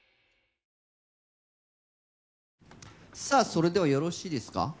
さあそれではよろしいですか？